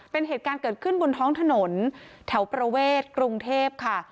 เป็นเหตุการณ์เกิดขึ้นบนท้องถนนแถวประเวทกรุงเทพค่ะ